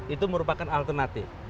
itu merupakan alternatif